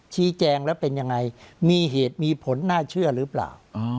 ชี้แจงแล้วเป็นยังไงมีเหตุมีผลน่าเชื่อหรือเปล่า